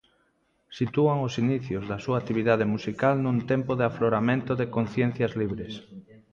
Sitúan os inicios da súa actividade musical nun tempo de afloramento de conciencias libres.